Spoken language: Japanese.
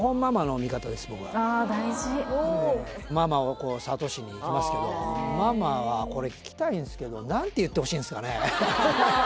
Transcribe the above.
あ大事ママを諭しにいきますけどママはこれ聞きたいんですけど何て言ってほしいんですかね？